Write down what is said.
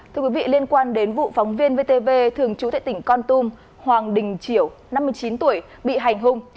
thưa quý vị liên quan đến vụ phóng viên vtv thường trú tại tỉnh con tum hoàng đình chiểu năm mươi chín tuổi bị hành hung